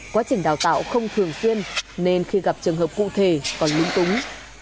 quá trình đào tạo không thường xuyên nên khi gặp trường hợp cụ thể còn lúng túng